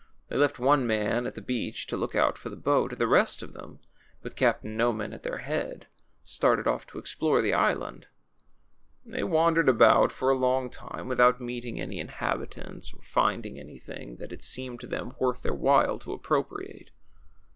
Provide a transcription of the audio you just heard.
They left one man at the beach to look out for the boat, and the rest of them, Avith Captain Nornan at their head, started off to explore the island. They Avandered about for a long time Avithout meeting any inhabitants or finding anything that it seemed to them worth their Avhile to appropriate.